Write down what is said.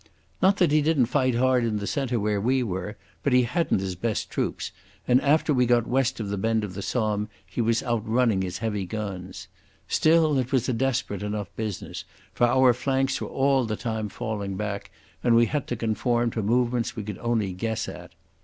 Not that he didn't fight hard in the centre where we were, but he hadn't his best troops, and after we got west of the bend of the Somme he was outrunning his heavy guns. Still, it was a desperate enough business, for our flanks were all the time falling back, and we had to conform to movements we could only guess at.